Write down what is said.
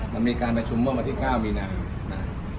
มันมีการประชุมเมื่อวันที่๙มีนานะ